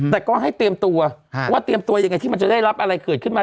แต่ก็ให้เตรียมตัวว่าเตรียมตัวยังไงที่มันจะได้รับอะไรเกิดขึ้นมา